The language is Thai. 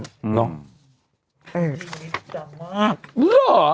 ดีจังมาก